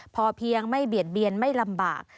พอเพียงไม่เบียดเบียนไม่ลำบาก